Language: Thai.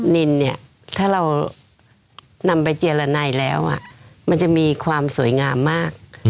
นิลล์ถ้าเรานำไปเจียรไนต์แล้วมันจะมีความสวยงามมาก